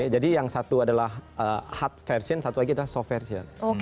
jadi yang satu adalah hard version satu lagi adalah soft version